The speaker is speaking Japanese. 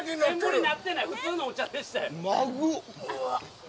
普通のお茶でしたよ。